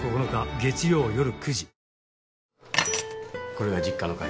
これが実家の鍵。